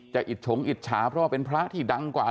อิดฉงอิจฉาเพราะว่าเป็นพระที่ดังกว่า